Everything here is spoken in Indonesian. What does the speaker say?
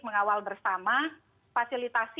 mengawal bersama fasilitasi